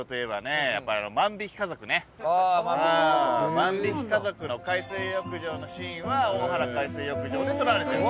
『万引き家族』の海水浴場のシーンは大原海水浴場で撮られてるの。